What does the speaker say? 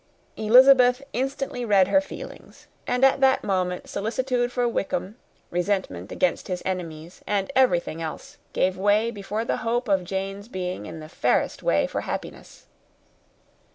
Elizabeth instantly read her feelings; and, at that moment, solicitude for Wickham, resentment against his enemies, and everything else, gave way before the hope of Jane's being in the fairest way for happiness.